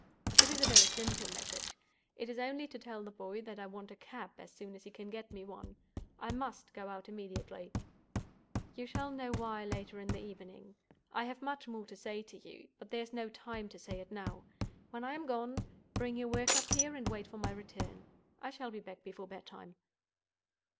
"It is a very simple message—it is only to tell the boy that I want a cab as soon as he can get me one. I must go out immediately. You shall know why later in the evening. I have much more to say to you; but there is no time to say it now. When I am gone, bring your work up here, and wait for my return. I shall be back before bed time."